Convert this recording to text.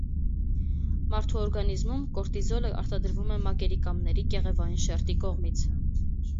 Մարդու օրգանիզմում կորտիզոլը արտադրվում է մակերիկամների կեղևային շերտի կողմից։